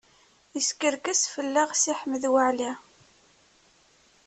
Yeskerkes fell-aɣ Si Ḥmed Waɛli.